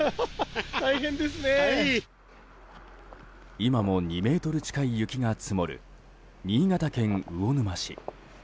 今も２ｍ近い雪が積もる新潟県魚沼市。